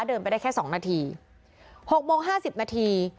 เดินไปได้แค่สองนาทีหกโมงห้าสิบนาที